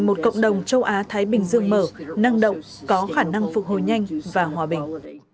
một cộng đồng châu á thái bình dương mở năng động có khả năng phục hồi nhanh và hòa bình